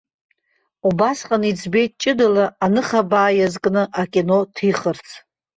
Убасҟан иӡбеит ҷыдала аныхабаа иазкны акино ҭихырц.